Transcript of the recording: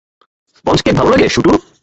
Sponge cake ভালো লাগে, শুটু?